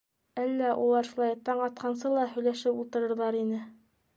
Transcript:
Әллә улар шулай таң атҡансы ла һөйләшеп ултырырҙар ине.